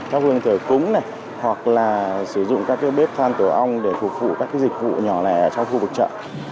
hoặc là sử dụng các bếp than tổ ong để phục vụ các dịch vụ nhỏ lẻ trong khu vực trợ